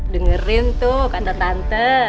dengerin tuh kanta tante